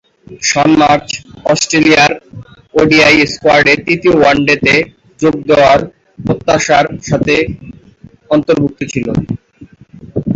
শন Marsh অস্ট্রেলিয়ার ODI স্কোয়াডে তৃতীয় ওয়ানডেতে যোগ দেওয়ার প্রত্যাশার সাথে অন্তর্ভুক্ত ছিল।